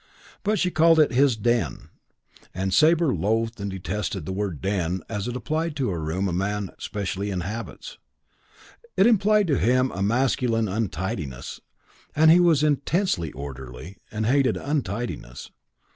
But she called it his "den", and Sabre loathed and detested the word den as applied to a room a man specially inhabits. It implied to him a masculine untidiness, and he was intensely orderly and hated untidiness.